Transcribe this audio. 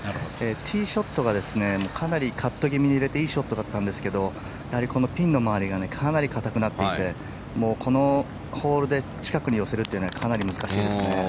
ティーショットがかなりカット気味に入れていいショットだったんですけどやはり、ピンの周りがかなり硬くなっていてこのホールで近くに寄せるというのはかなり難しいですね。